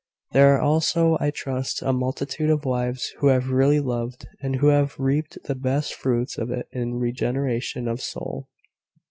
There are also, I trust, a multitude of wives who have really loved, and who have reaped the best fruits of it in regeneration of soul."